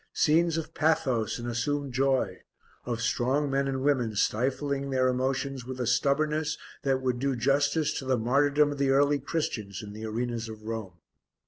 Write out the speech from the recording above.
Scenes of pathos and assumed joy; of strong men and women stifling their emotions with a stubbornness that would do justice to the martyrdom of the Early Christians in the arenas of Rome.